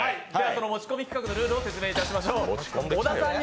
持ち込み企画のルールをご説明いたしましょう。